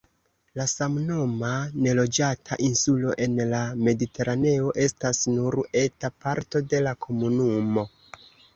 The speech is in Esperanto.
La samnoma, neloĝata insulo en la Mediteraneo estas nur eta parto de la komunumo.